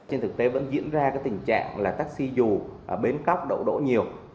trên thực tế vẫn diễn ra cái tình trạng là taxi dù bến cóc đổ đổ nhiều